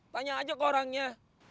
tanya aja ke orangnya